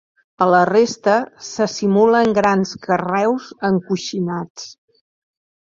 A la resta se simulen grans carreus encoixinats.